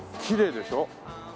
きれいでしょ？